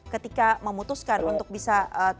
ketika memutuskan untuk bisa